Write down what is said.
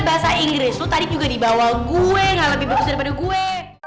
bahasa inggris tuh tadi juga dibawa gue gak lebih bagus daripada gue